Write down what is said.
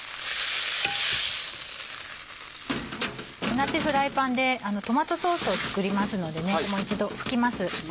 同じフライパンでトマトソースを作りますのでもう一度拭きます。